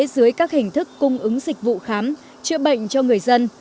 dưới các hình thức cung ứng dịch vụ khám chữa bệnh cho người dân